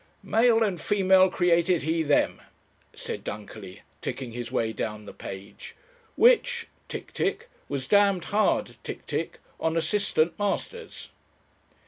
"Male and female created He them," said Dunkerley, ticking his way down the page. "Which (tick, tick) was damned hard (tick, tick) on assistant masters."